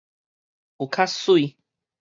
有較媠